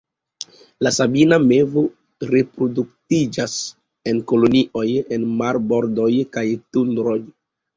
La Sabina mevo reproduktiĝas en kolonioj en marbordoj kaj tundro.